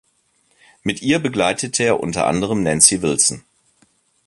Mit ihr begleitete er unter anderem Nancy Wilson.